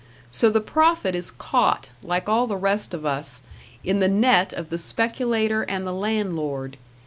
So the prophet is caught, like all the rest of us, in the net of the speculator and the landlord.